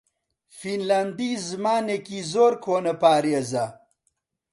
فینلاندی زمانێکی زۆر کۆنەپارێزە.